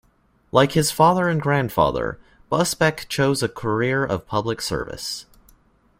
Like his father and grandfather, Busbecq chose a career of public service.